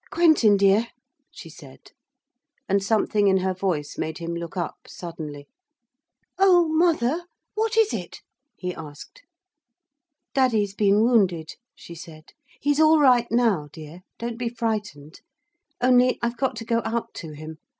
'Quentin dear,' she said, and something in her voice made him look up suddenly. 'Oh, mother, what is it?' he asked. 'Daddy's been wounded,' she said; 'he's all right now, dear don't be frightened. Only I've got to go out to him.